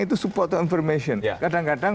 itu support information kadang kadang